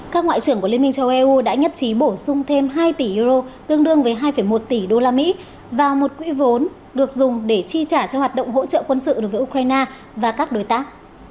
các ngoại trưởng của liên minh châu âu đã nhất trí bổ sung thêm hai tỷ euro tương đương với hai một tỷ usd vào một quỹ vốn được dùng để chi trả cho hoạt động hỗ trợ quân sự đối với ukraine và các đối tác